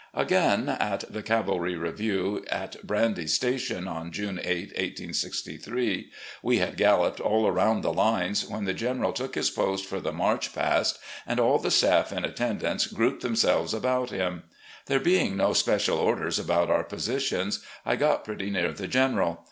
"Again — ^at the cavalry review at Brandy Station, on June 8, 1863 — ^we had galloped all around the lines, when the General took his post for the 'march past,' and all the staff in attendance grouped themselves about him. There being no special orders about our positions, I got pretty near the General.